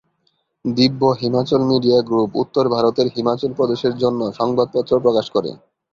দিব্য Himachal media group উত্তর ভারতের হিমাচল প্রদেশের জন্য সংবাদপত্র প্রকাশ করে।